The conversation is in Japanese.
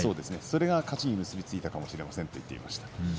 それが勝ちに結び付いたかもしれませんと言ってました。